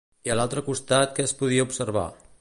I a l'altre costat què es podia observar?